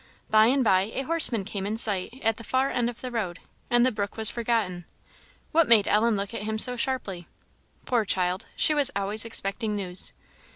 By and by a horseman came in sight at the far end of the road, and the brook was forgotten. What made Ellen look at him so sharply? Poor child! she was always expecting news.